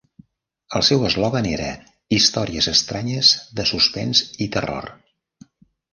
El seu eslògan era Històries estranyes de suspens i terror!